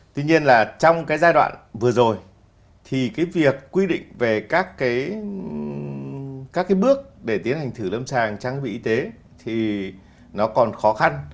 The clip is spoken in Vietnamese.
tuy nhiên trong giai đoạn vừa rồi thì việc quy định về các bước để tiến hành thử lâm sàng trang thiết bị y tế còn khó khăn